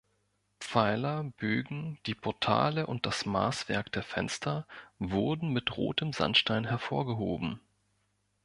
Pfeiler, Bögen, die Portale und das Maßwerk der Fenster wurden mit rotem Sandstein hervorgehoben.